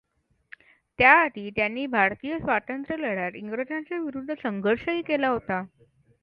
त्याआधी त्यांनी भारतीय स्वातंत्र्यलढ्यात इंग्रजांच्या विरुद्ध संघर्षही केला होता.